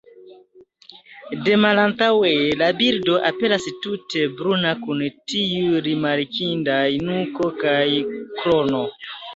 De malantaŭe la birdo aperas tute bruna kun tiu rimarkindaj nuko kaj krono.